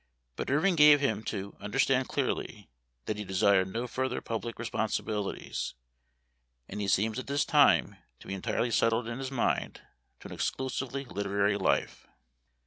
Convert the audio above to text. But Irving gave him to under stand clearly that he desired no further public responsibilities ; and he seems at this time to be entirely settled in his mind to an exclusively literary life.